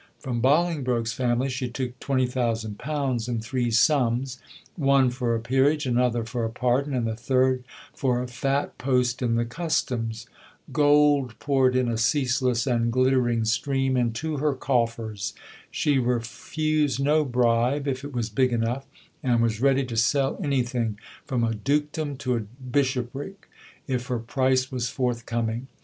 From Bolingbroke's family she took £20,000 in three sums one for a Peerage, another for a pardon, and the third for a fat post in the Customs. Gold poured in a ceaseless and glittering stream into her coffers. She refused no bribe if it was big enough and was ready to sell anything, from a Dukedom to a Bishopric, if her price was forthcoming.